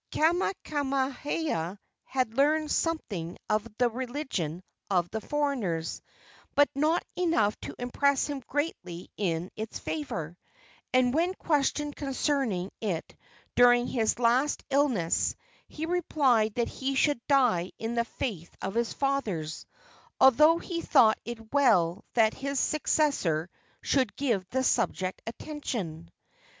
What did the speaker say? Kamehameha had learned something of the religion of the foreigners, but not enough to impress him greatly in its favor; and when questioned concerning it during his last illness he replied that he should die in the faith of his fathers, although he thought it well that his successor should give the subject attention.